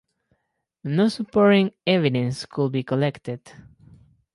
No supporting evidence could be collected.